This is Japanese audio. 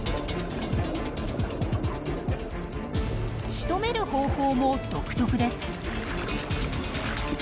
しとめる方法も独特です。